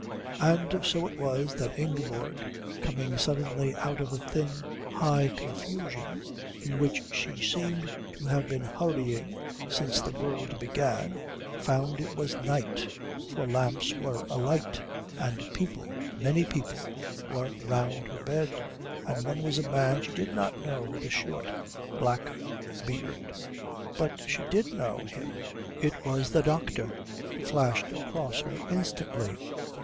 And so it was that Ingeborg, coming suddenly out of a thin, high confusion in which she seemed to have been hurrying since the world began, found it was night, for lamps were alight, and people many people were round her bed, and one was a man she did not know with a short black beard. But she did know him. It was the doctor. It flashed across her instantly.